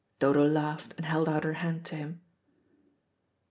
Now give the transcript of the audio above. Dodo laughed, and held out her hand to him.